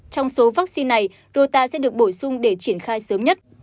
trong số vaccine này rota sẽ được bổ sung để triển khai sớm nhất